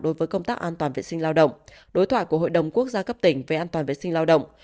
đối với công tác an toàn vệ sinh lao động đối thoại của hội đồng quốc gia cấp tỉnh về an toàn vệ sinh lao động